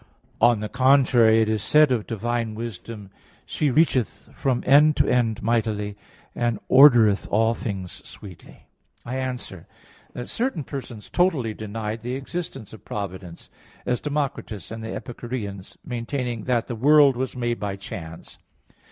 On the contrary, It is said of Divine Wisdom: "She reacheth from end to end mightily, and ordereth all things sweetly" (Wis. 8:1). I answer that, Certain persons totally denied the existence of providence, as Democritus and the Epicureans, maintaining that the world was made by chance.